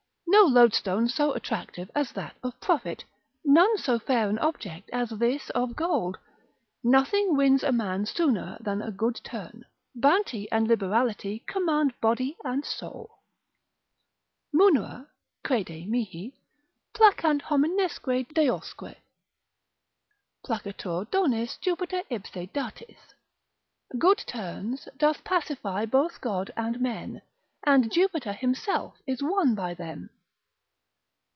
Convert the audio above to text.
No loadstone so attractive as that of profit, none so fair an object as this of gold; nothing wins a man sooner than a good turn, bounty and liberality command body and soul: Munera (crede mihi) placant hominesque deosque; Placatur donis Jupiter ipse datis. Good turns doth pacify both God and men, And Jupiter himself is won by them.